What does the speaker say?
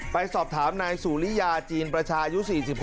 ไปสอบถามนายสุริยาจีนประชายุ๔๖